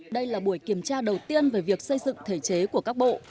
đây là buổi kiểm tra đầu tiên về việc xây dựng thể chế của các bộ